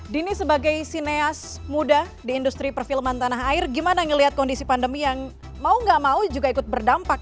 dini sebagai sineas muda di industri perfilman tanah air gimana ngelihat kondisi pandemi yang mau gak mau juga ikut berdampak